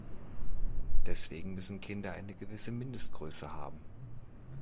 Deswegen müssen Kinder eine gewisse Mindestgröße haben.